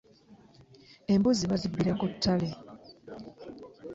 Embuzi bazibbira ku ttale.